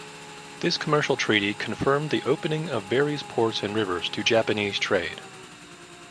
This commercial treaty confirmed the opening of various ports and rivers to Japanese trade.